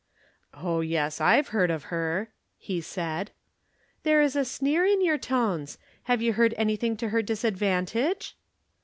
"Oh, yes, I've heard of her," he said. "There is a sneer in your tones. Have you heard anything to her disadvantage?"